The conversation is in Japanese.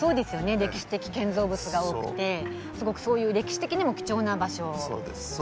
歴史的建造物が多くてすごく歴史的にも貴重な場所ですね。